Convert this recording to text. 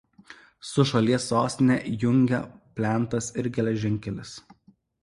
Su šalies sostine jungia plentas ir geležinkelis.